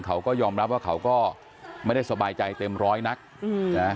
เขาก็ยอมรับว่าเขาก็ไม่ได้สบายใจเต็มร้อยนักอืมนะ